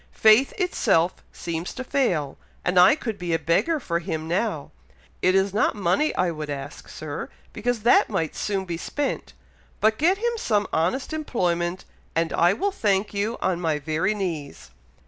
Faith itself seems to fail, and I could be a beggar for him now! It is not money I would ask, Sir, because that might soon be spent; but get him some honest employment, and I will thank you on my very knees."